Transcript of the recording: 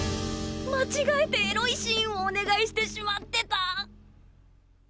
間違えてエロいシーンをお願いしてしまってた